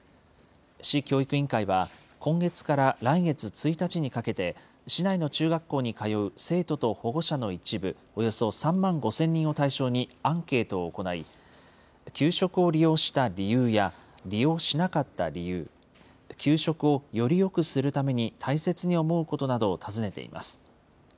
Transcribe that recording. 市教育委員会は、今月から来月１日にかけて、市内の中学校に通う生徒と保護者の一部およそ３万５０００人を対象にアンケートを行い、給食を利用した理由や、利用しなかった理由、給食をよりよくするために大切に思うことなどを尋ねています。